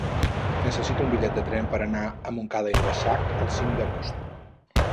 Necessito un bitllet de tren per anar a Montcada i Reixac el cinc d'agost.